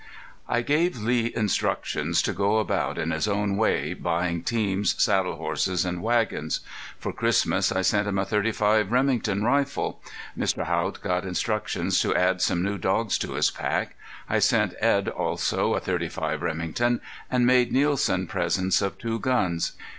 I gave Lee instructions to go about in his own way buying teams, saddle horses, and wagons. For Christmas I sent him a .35 Remington rifle. Mr. Haught got instructions to add some new dogs to his pack. I sent Edd also a .35 Remington, and made Nielsen presents of two guns.